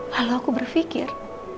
lalu aku berpikir